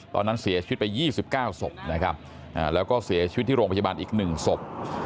ตอนนั้นเสียชีวิตไป๒๙ศพนะครับแล้วก็เสียชีวิตที่โรงพยาบาลอีก๑ศพ